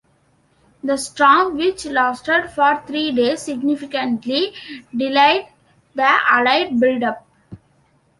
The storm, which lasted for three days, significantly delayed the Allied build-up.